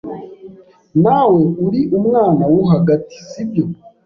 Nawe uri umwana wo hagati, sibyo?